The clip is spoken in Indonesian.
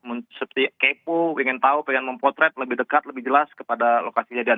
yang penting masyarakat tidak mendekat seperti kepo ingin tahu ingin mempotret lebih dekat lebih jelas kepada lokasi kebakaran